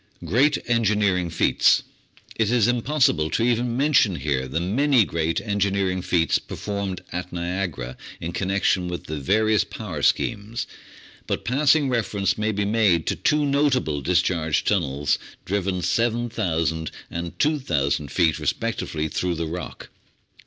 Great Engineering Feats It is impossible to even mention here the many great en gineering feats performed at Niagara in connection with the various power schemes, but passing reference may be made to two notable discharge tunnels driven 7,000 and 2,000 feet re spectively through the rock.